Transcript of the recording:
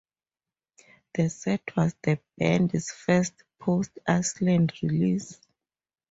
The set was the band's first post-Island release.